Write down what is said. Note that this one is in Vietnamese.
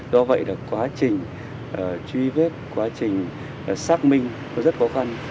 do vậy quá trình truy vết quá trình xác minh rất khó khăn